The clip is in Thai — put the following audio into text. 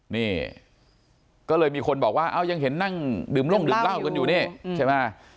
นี่ก็เลยมีคนบอกว่าเอ้ายังเห็นนั่งดื่มร่องดื่มเหล้ากันอยู่เนี่ย